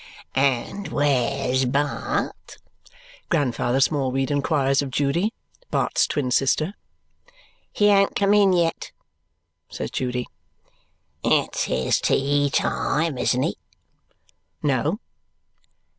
"And where's Bart?" Grandfather Smallweed inquires of Judy, Bart's twin sister. "He an't come in yet," says Judy. "It's his tea time, isn't it?" "No."